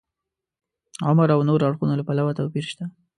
د عمر او نورو اړخونو له پلوه توپیر شته.